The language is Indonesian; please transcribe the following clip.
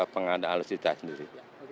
pengadaan alucita sendiri